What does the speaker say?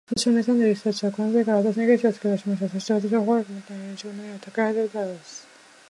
私をねたんでいる人たちは、このときから、私にケチをつけだしました。そして、私を快く思っていない連中が、何かたくらみをはじめたようです。